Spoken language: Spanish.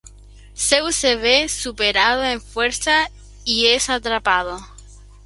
Zeus se ve superado en fuerza y es atrapado.